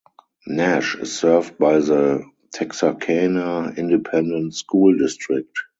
Nash is served by the Texarkana Independent School District.